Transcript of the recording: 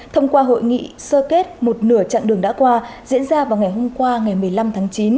thông qua hội nghị sơ kết một nửa chặng đường đã qua diễn ra vào ngày hôm qua ngày một mươi năm tháng chín